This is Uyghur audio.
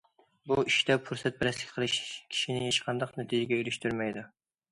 بۇ ئىشتا پۇرسەتپەرەسلىك قىلىش كىشىنى ھېچقانداق نەتىجىگە ئېرىشتۈرمەيدۇ.